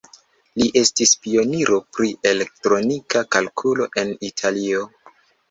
Li estis pioniro pri elektronika kalkulo en Italio.